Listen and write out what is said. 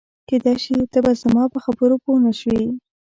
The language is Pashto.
کېدای شي ته به زما په خبرو پوه نه شې.